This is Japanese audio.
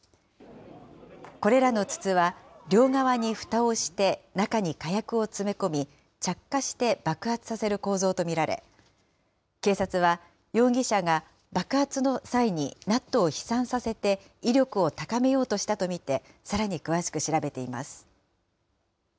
これらの筒は、両側にふたをして中に火薬を詰め込み、着火して爆発させる構造と見られ、警察は、容疑者が爆発の際にナットを飛散させて、威力を高めようとしたと見て、さらに詳しく調べています。